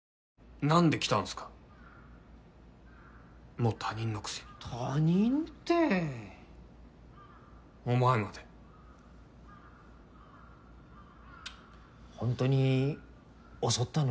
もう他人のくせに他人ってお前までホントに襲ったの？